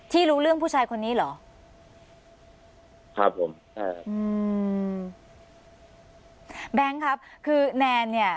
ที่รู้เรื่องผู้ชายคนนี้เหรอครับผมแบงค์ครับคือแนนเนี่ย